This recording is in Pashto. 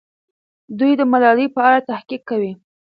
دوی د ملالۍ په اړه تحقیق کوي.